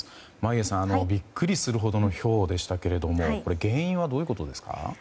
眞家さん、びっくりするほどのひょうでしたけど原因はどういうことですか？